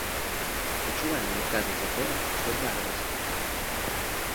Ці адчувае яна адказнасць за тое, што здарылася?!